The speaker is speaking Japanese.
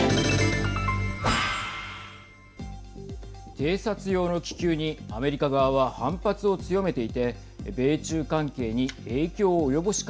偵察用の気球にアメリカ側は反発を強めていて、米中関係にはい。